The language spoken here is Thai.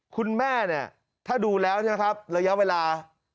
คุณแม่เนี่ยถ้าดูแล้วใช่ไหมครับระยะเวลา